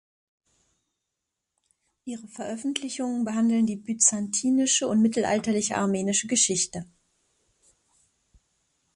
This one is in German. Ihre Veröffentlichungen behandeln die byzantinische und mittelalterliche armenische Geschichte.